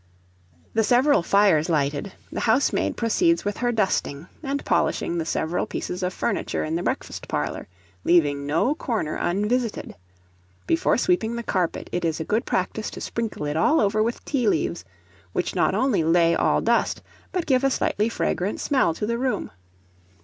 The several fires lighted, the housemaid proceeds with her dusting, and polishing the several pieces of furniture in the breakfast parlour, leaving no corner unvisited. Before sweeping the carpet, it is a good practice to sprinkle it all over with tea leaves, which not only lay all dust, but give a slightly fragrant smell to the room.